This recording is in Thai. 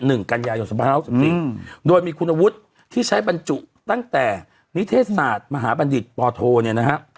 หนึ่งกันยายนสองพันห้าสิบสี่อืมโดยมีคุณวุฒิที่ใช้บรรจุตั้งแต่นิเทศศาสตร์มหาบัณฑิตปโทเนี่ยนะฮะ